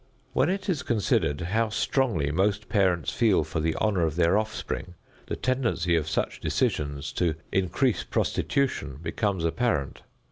When it is considered how strongly most parents feel for the honor of their offspring, the tendency of such decisions to increase prostitution becomes apparent.